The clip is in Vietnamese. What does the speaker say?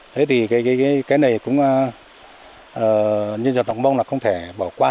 thế thì cái này cũng như dân tộc mông là không thể bỏ qua